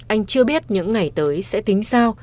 anh chưa biết những ngày tới sẽ tính sao